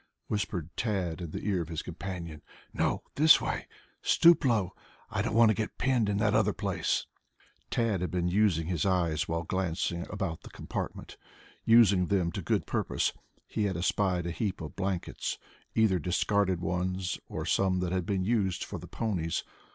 whispered Tad in the ear of his companion. "No, this way. Stoop low. I don't want to get pinned in that other place." Tad had been using his eyes while glancing about the compartment, and using them to good purpose. He had espied a heap of blankets, either discarded ones or some that had been used for the ponies.